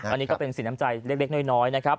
อันนี้ก็เป็นสินน้ำใจเล็กน้อยนะครับ